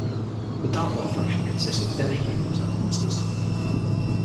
The Darklore faction consists of demihumans and monsters.